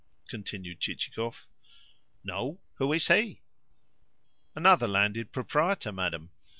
continued Chichikov. "No. Who is he?" "Another landed proprietor, madam."